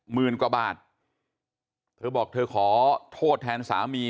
หมื่นกว่าบาทเธอบอกเธอขอโทษแทนสามี